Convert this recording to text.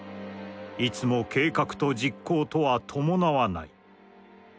いつも計画と実行とは伴はない。